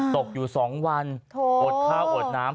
ตกอยู่๒วันอดข้าวอดน้ำ